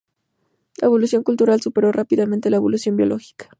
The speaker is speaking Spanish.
La evolución cultural superó rápidamente a la evolución biológica.